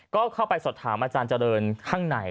ก็เข้าไปสอบถามอาจารย์เจริญข้างใน